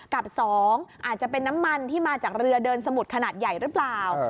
กับ๒อาจจะเป็นน้ำมันที่มาจากเรือเดินสมุดขนาดใหญ่หรือเปล่า